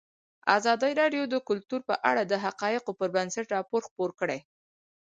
ازادي راډیو د کلتور په اړه د حقایقو پر بنسټ راپور خپور کړی.